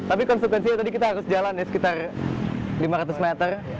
tapi konsekuensinya tadi kita harus jalan ya sekitar lima ratus meter